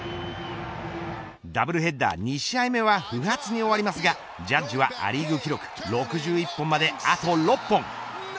ダブルヘッダー２試合目は不発に終わりますがジャッジはア・リーグ記録６１本まであと６本。